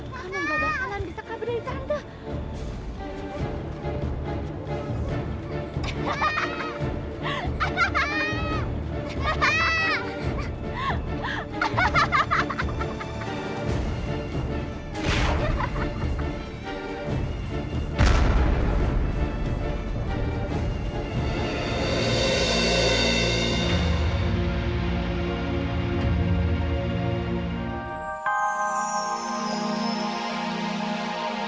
kamu gak akan bisa kabur dari tante